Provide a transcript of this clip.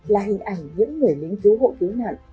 là hình ảnh những người lính cứu hộ cứu nạn